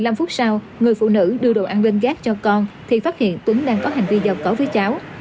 một mươi năm phút sau người phụ nữ đưa đồ ăn lên gác cho con thì phát hiện tuấn đang có hành vi giao cấu với cháu